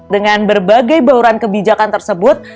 dengan berbagai bauran kebijakan tersebut